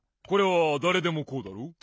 これはだれでもこうだろ。